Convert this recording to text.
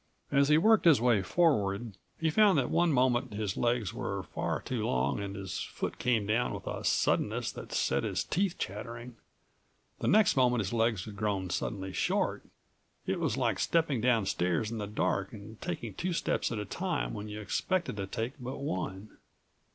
As he worked his way forward he found that one moment his legs were far too long and his foot came down with a suddenness that set his teeth chattering; the next moment his legs had grown suddenly short. It was like stepping down stairs in the dark and taking two steps at a time when you expected to take but one.